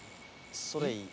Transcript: それいい。